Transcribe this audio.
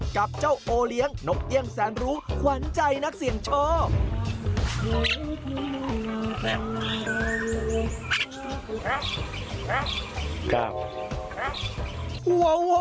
กับเจ้าโอเลี้ยงนกเอี่ยงแสนรู้ขวัญใจนักเสี่ยงโชค